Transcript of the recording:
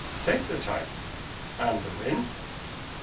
take the tide." "And the wind."